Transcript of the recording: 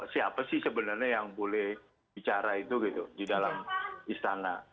siapa sih sebenarnya yang boleh bicara itu gitu di dalam istana